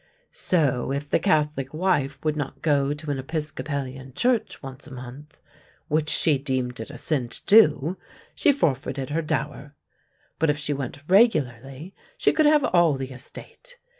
So, if the Catholic wife would not go to an Episcopalian church once a month which she deemed it a sin to do she forfeited her dower. But if she went regularly, she could have all the estate.